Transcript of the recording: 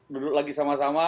duduk lagi sama sama